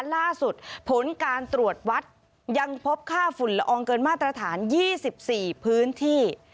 ล่าสุดผลการตรวจวัดยังพบค่าฝุ่นละอองเกินมาตรฐาน๒๔พื้นที่